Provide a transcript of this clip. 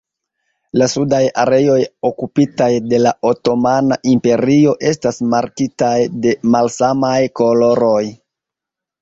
La sudaj areoj okupitaj de la otomana imperio estas markitaj de malsamaj koloroj.